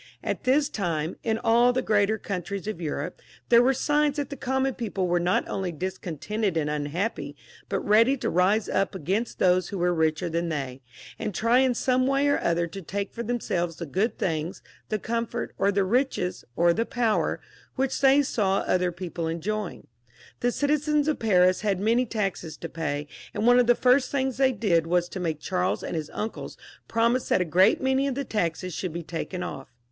At this time, in all the greater countries of Europe there were signs that the common people were not only discontented and unhappy, but ready to rise up against those who were richer than they, and try in some way or other to take for themselves the good things, the comfort, or the riches, or the power, which they saw other people enjoying. The citizens of Paris had many taxes to pay, and one of the first things they did was to make Charles and his uncles promise that a great many of the taxes should be taken off.